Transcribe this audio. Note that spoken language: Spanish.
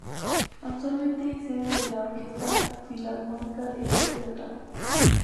Actualmente es sede de la Orquesta Filarmónica de Róterdam.